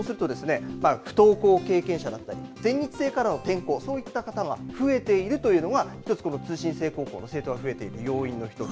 不登校経験者全日制からの転校そういった方が増えているというのが通信制高校の生徒が増えている要因の１つ。